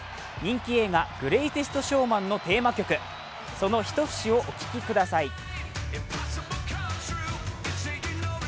人気映画「グレイテスト・ショーマン」のテーマ曲、その一節をお聴きください。